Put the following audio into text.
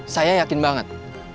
saya yakin banget